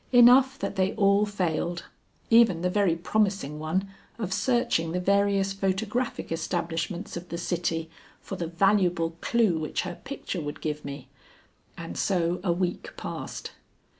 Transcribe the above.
Enough that they all failed, even the very promising one of searching the various photographic establishments of the city, for the valuable clew which her picture would give me. And so a week passed.